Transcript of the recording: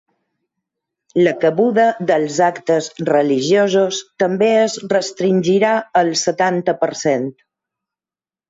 La cabuda dels actes religiosos també es restringirà al setanta per cent.